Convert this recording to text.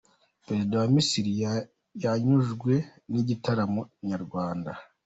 Perezida wa Misiri yanyujwe n’igitaramo nyarwanda .